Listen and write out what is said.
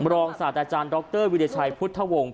รองศาสตราจารย์ดรวิรชัยพุทธวงศ์